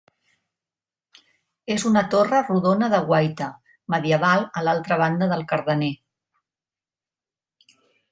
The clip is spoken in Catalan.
És una torre rodona de guaita, medieval a l'altra banda del Cardener.